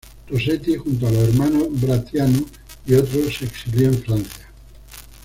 Rosetti, junto a los hermanos Brătianu y otros, se exilió en Francia.